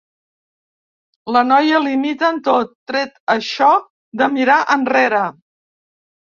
La noia l'imita en tot, tret això de mirar enrere.